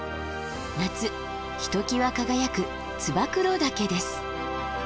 夏ひときわ輝く燕岳です。